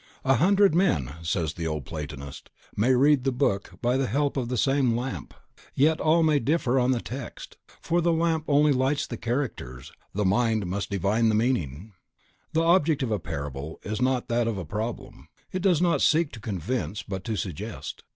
"A hundred men," says the old Platonist, "may read the book by the help of the same lamp, yet all may differ on the text, for the lamp only lights the characters, the mind must divine the meaning." The object of a parable is not that of a problem; it does not seek to convince, but to suggest.